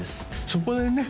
そこでね